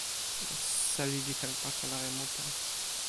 seli li ken pakala e mute.